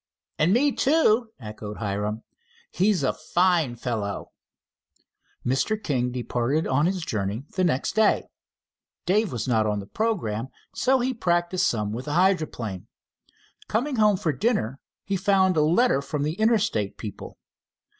"And me, too," echoed Hiram. "He's a fine fellow!" Mr. King departed on his journey the next day. Dave was not on the programme, so he practiced some with the hydroplane. Coming home for dinner, he found a letter from the Interstate people.